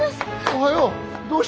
おはよう。